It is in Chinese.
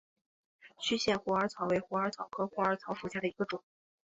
区限虎耳草为虎耳草科虎耳草属下的一个种。